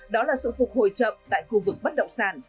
đó là sự phục hồi chậm tại khu vực bất động sản